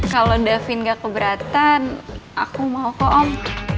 kalau davin gak keberatan aku mau kok om